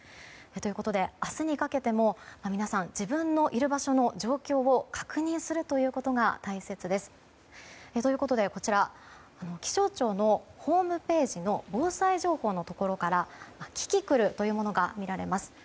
ということで、明日にかけても皆さん、自分のいる場所の状況を確認するということが大切です。ということでこちら気象庁のホームページの防災情報のところからキキクルというものが見られます。